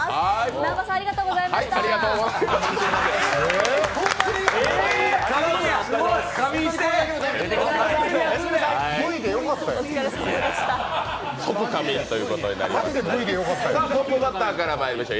南波さん、ありがとうございました。